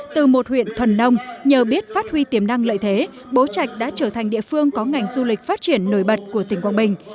từ một huyện thuần nông nhờ biết phát huy tiềm năng lợi thế bố trạch đã trở thành địa phương có ngành du lịch phát triển nổi bật của tỉnh quảng bình